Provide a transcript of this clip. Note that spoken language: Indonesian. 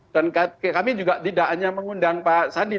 dan kami juga tidak hanya mengundang pak sandi